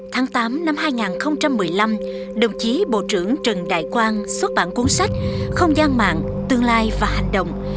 tháng tám năm hai nghìn một mươi năm đồng chí bộ trưởng trần đại quang xuất bản cuốn sách không gian mạng tương lai và hành động